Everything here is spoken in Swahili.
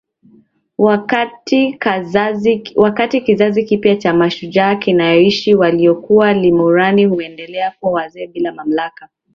Wakati kizazi kipya cha mashujaa kinaanzishwa waliokuwa ilmorani huendelea kuwa wazee bila mamlaka